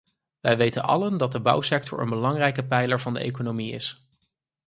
Wij weten allen dat de bouwsector een belangrijke pijler van de economie is.